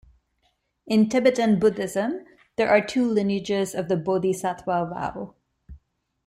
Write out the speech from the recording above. In Tibetan Buddhism there are two lineages of the bodhisattva vow.